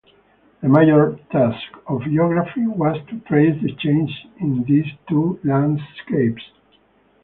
The major task of geography was to trace the changes in these two landscapes.